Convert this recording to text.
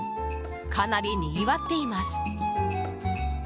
かなりにぎわっています。